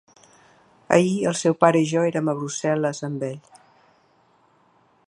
Ahir el seu pare i jo érem a Brussel·les amb ell.